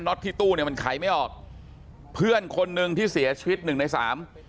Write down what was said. ็อตที่ตู้เนี่ยมันไขไม่ออกเพื่อนคนหนึ่งที่เสียชีวิตหนึ่งในสาม